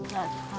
mas kita bangun